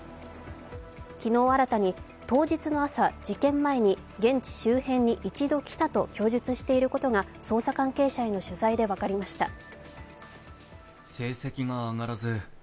昨日、新たに当日の朝、事件前に現地周辺に一度来たと供述していることが捜査関係者への取材で分かりました。